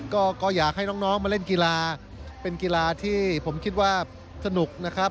ก็อยากให้น้องมาเล่นกีฬาเป็นกีฬาที่ผมคิดว่าสนุกนะครับ